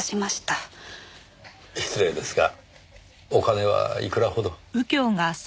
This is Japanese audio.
失礼ですがお金はいくらほど？